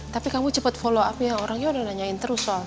tapi kamu cepet follow up ya orangnya udah nanyain terus soal